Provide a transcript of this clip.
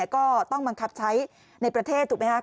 ก็ต้องบังคับใช้ในประเทศถูกไหมครับ